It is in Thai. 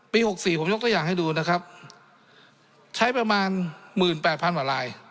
ปีหกสี่ผมยกตัวอย่างให้ดูนะครับใช้ประมาณหมื่นแปดพันวะลาย